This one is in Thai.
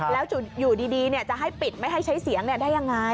แล้วอยู่ดีจะให้ปิดไม่ให้ใช้เสียงได้ยังไง